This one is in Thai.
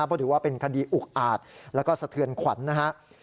เพราะถือว่าเป็นคดีอุกอาจแล้วก็สะเทือนขวัญนะครับ